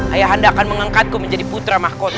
ayah anda akan mengangkatku menjadi putra mahkota